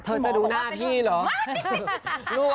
เธอจะดูหน้าพี่เหรอ